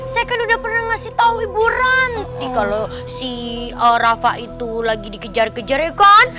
saya kan udah pernah ngasih tahu ibu ranti kalau si rafa itu lagi dikejar kejar ya kan